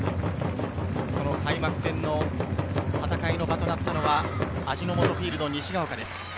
その開幕戦の戦いの場となったのは、味の素フィールド西が丘です。